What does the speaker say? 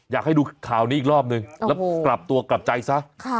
อยากให้ดูข่าวนี้อีกรอบนึงแล้วกลับตัวกลับใจซะ